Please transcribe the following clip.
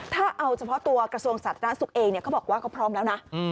ถ้าเอาเฉพาะตัวกระทรวงสาธารณสุขเองก็พร้อมแล้วนะ